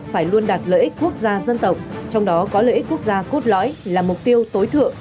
phải luôn đạt lợi ích quốc gia dân tộc trong đó có lợi ích quốc gia cốt lõi là mục tiêu tối thượng